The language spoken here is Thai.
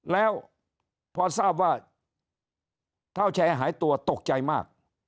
แล้วพอทราบว่าเท้าแชร์หายตัวตกใจมาก